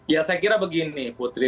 ya saya kira begini putri